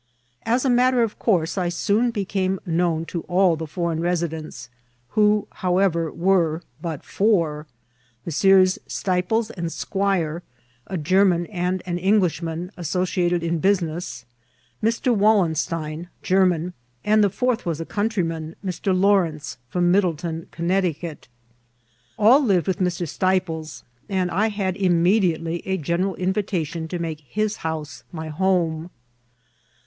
As a matter of course, I so(m became known to all the foreign residents, who, however, were but four ; Messrs. Steiples and Squire, a German an4 an Englishman, associated in business; Mr. Wallen stein, Oerman ; and the fourth was a countryman, Mr. Lawrence, from Middletown, Connecticut. All lived with Mr. Steiples; and I had immediately a general invitation to make his house my home.